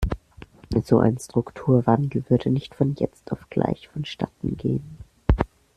So ein Strukturwandel würde nicht von jetzt auf gleich vonstatten gehen.